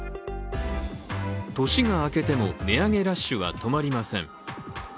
年が明けても値上げラッシュは止まりません。